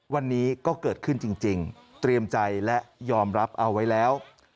วันนี้ก็เกิดขึ้นจริงเตรียมใจและยอมรับเอาไว้แล้ว